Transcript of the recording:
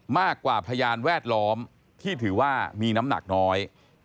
พยานแวดล้อมที่ถือว่ามีน้ำหนักน้อย